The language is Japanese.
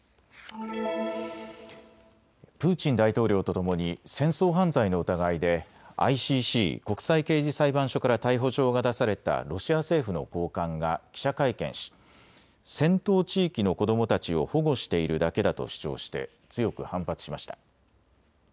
プーチン大統領とともに戦争犯罪の疑いでＩＣＣ・国際刑事裁判所から逮捕状が出されたロシア政府の高官が記者会見し戦闘地域の子どもたちを保護しているだけだと主張して強く反発しました。